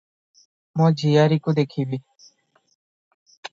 ମୋ ଝିଅରୀକୁ ଦେଖିବି ।